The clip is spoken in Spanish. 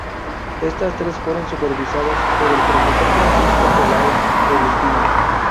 Estas tres fueron supervisadas por el profesor Francisco Peláez del Espino.